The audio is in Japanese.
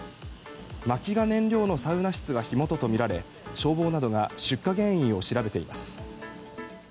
薪が燃料のサウナ室が火元とみられ、消防などが出火原因を調べています。